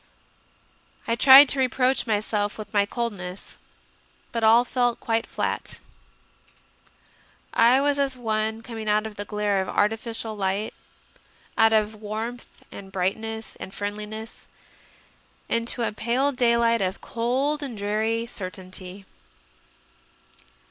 I tried to reproach myself with my coldness, but all fell quite flat. I was as one coming out of the glare of arti ficial light, out of warmth and brightness and friendliness, into a pale daylight of cold and dreary certainty.